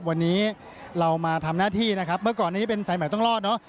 วันนี้เรามาทำหน้าที่นะครับเมื่อก่อนนี้เป็นสายใหม่ต้องรอดเนอะ